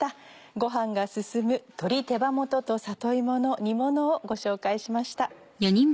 ご飯が進む鶏手羽元と里芋の煮ものをご紹介しました。